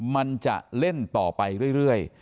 มันจะเล่นต่อไปเรื่อย